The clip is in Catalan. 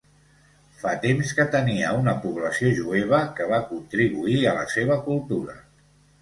Fa temps que tenia una població jueva que va contribuir a la seva cultura.